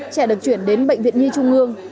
trẻ được chuyển đến bệnh viện nhi trung ương